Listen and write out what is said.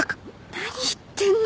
何言ってんの